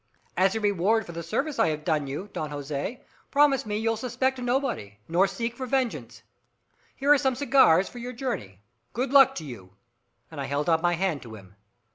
"As a reward for the service I have done you, Don Jose, promise me you'll suspect nobody nor seek for vengeance. Here are some cigars for your journey. Good luck to you." And I held out my hand to him.